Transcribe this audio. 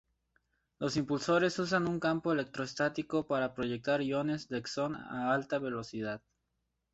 Los impulsores usan un campo electrostático para proyectar iones de xenón a alta velocidad.